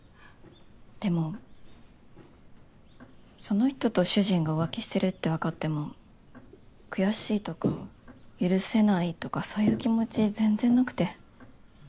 でもその人と主人が浮気してるってわかっても悔しいとか許せないとかそういう気持ち全然なくて。